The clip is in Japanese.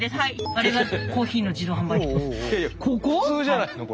あれが普通じゃないの？